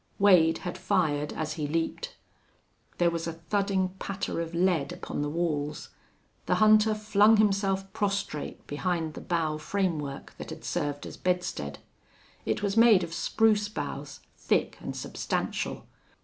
Wade had fired as he leaped. There was a thudding patter of lead upon the walls. The hunter flung himself prostrate behind the bough framework that had served as bedstead. It was made of spruce boughs, thick and substantial.